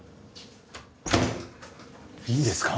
いいんですか？